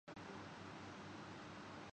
میں بال کٹوانے جا رہا ہوں